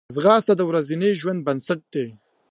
ځغاسته د ورځني ورزش بنسټ دی